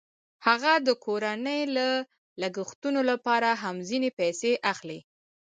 هغه د کورنۍ د لګښتونو لپاره هم ځینې پیسې اخلي